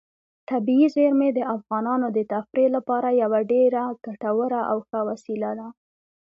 طبیعي زیرمې د افغانانو د تفریح لپاره یوه ډېره ګټوره او ښه وسیله ده.